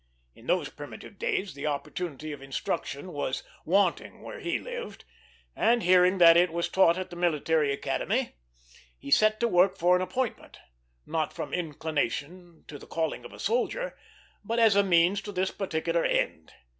In those primitive days the opportunity of instruction was wanting where he lived; and hearing that it was taught at the Military Academy he set to work for an appointment, not from inclination to the calling of a soldier, but as a means to this particular end.